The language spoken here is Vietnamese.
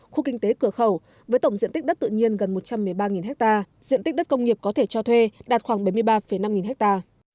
khu kinh tế cửa khẩu với tổng diện tích đất tự nhiên gần một trăm một mươi ba ha diện tích đất công nghiệp có thể cho thuê đạt khoảng bảy mươi ba năm ha